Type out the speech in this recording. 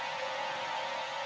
thông báo cho các bạn